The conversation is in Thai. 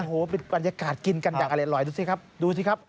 โอ้โฮเป็นบรรยากาศกินกันอย่างอร่อยดูสิครับ